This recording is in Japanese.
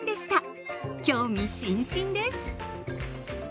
興味津々です！